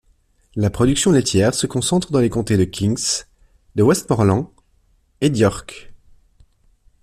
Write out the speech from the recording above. La production laitière se concentre dans les comtés de Kings, de Westmorland et d'York.